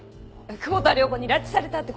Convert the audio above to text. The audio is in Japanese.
久保田涼子に拉致されたって事？